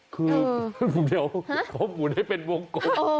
คือเดี๋ยวเขาหมุนให้เป็นวงกลม